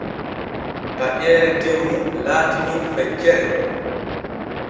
Taƴeere tew nu laati nun feccere.